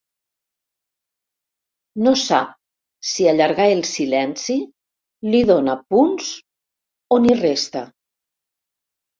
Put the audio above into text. No sap si allargar el silenci li dóna punts o n'hi resta.